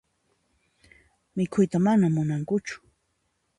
Mikhuyta mana munankuchu.